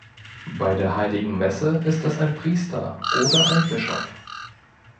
Bei der heiligen Messe ist es ein Priester oder ein Bischof.